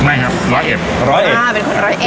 ไม่ครับร้อยเอ็บอะเป็นคนร้อยเอ็บ